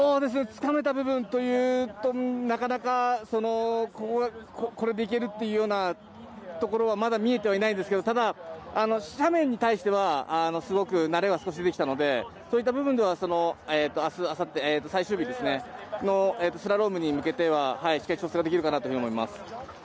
つかめた部分というとなかなか、これでいけるというようなところはまだ見えてはいないんですけどただ、斜面に対してはすごく慣れは少し出てきたのでそういった部分では最終日のスラロームに向けてはしっかり調整ができるかなと思います。